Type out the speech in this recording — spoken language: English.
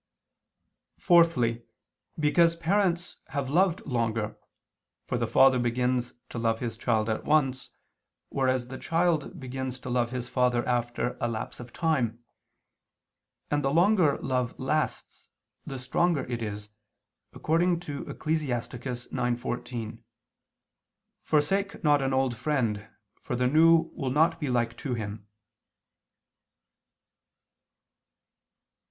Fourthly, because parents have loved longer, for the father begins to love his child at once, whereas the child begins to love his father after a lapse of time; and the longer love lasts, the stronger it is, according to Ecclus. 9:14: "Forsake not an old friend, for the new will not be like to him."